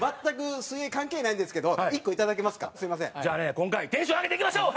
じゃあね今回テンション上げていきましょう！